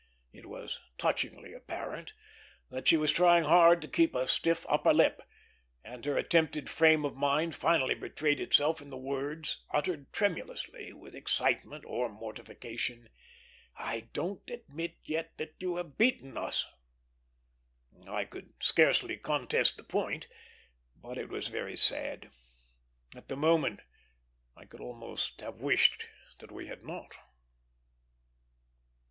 It was touchingly apparent that she was trying hard to keep a stiff upper lip, and her attempted frame of mind finally betrayed itself in the words, uttered tremulously, with excitement or mortification, "I don't admit yet that you have beaten us." I could scarcely contest the point, but it was very sad. At the moment I could almost have wished that we had not.